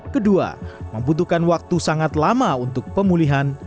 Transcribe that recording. kedua membutuhkan waktu sangat lama untuk pemulihan